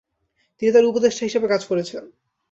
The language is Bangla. তিনি তার উপদেষ্টা হিসেবে কাজ করেছেন।